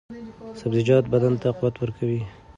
سبزیجات بدن ته قوت ورکوي.